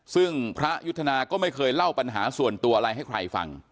ซึ่งพระยุทธนาก็ไม่เคยเล่าปัญหาส่วนตัวอะไรให้ใครฟัง